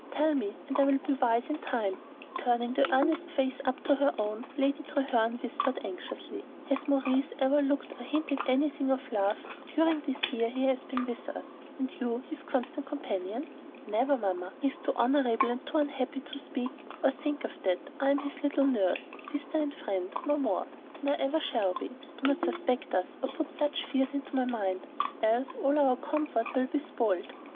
Tell me, and I will be wise in time." Turning the earnest face up to her own, Lady Treherne whispered anxiously, "Has Maurice ever looked or hinted anything of love during this year he has been with us, and you his constant companion?" "Never, Mamma; he is too honorable and too unhappy to speak or think of that. I am his little nurse, sister, and friend, no more, nor ever shall be. Do not suspect us, or put such fears into my mind, else all our comfort will be spoiled."